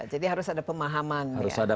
jadi harus ada pemahaman